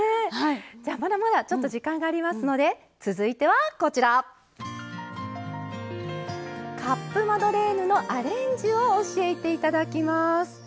まだまだちょっと時間がありますので続いては、カップマドレーヌのアレンジを教えていただきます。